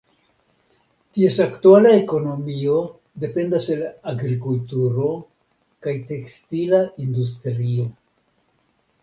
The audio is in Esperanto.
Ties aktuala ekonomio dependas el agrikulturo kaj tekstila industrio.